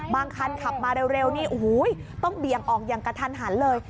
บางคันขับมาเร็วต้องเสรียบออกอย่างกระทันหันเลย